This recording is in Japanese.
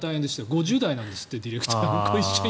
５０代なんですってディレクターの子、一緒に。